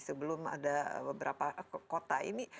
sebelum ada beberapa kota ini